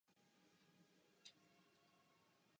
Máte před sebou rozmanitou škálu úkolů.